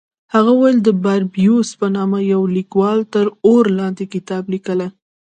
هغه وویل د باربیوس په نامه یوه لیکوال تر اور لاندې کتاب لیکلی.